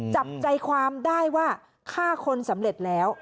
จับใจความได้ว่าฆ่าคนสำเร็จแล้ว